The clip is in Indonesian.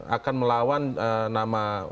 akan melawan nama